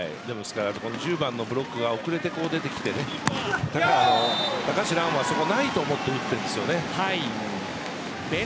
１０番のブロックが遅れて出てきて高橋藍もそこはないと思って打ってますね。